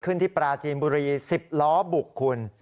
ขึ้นที่ปลาจีนบุรีสิบล้อบุกคุณ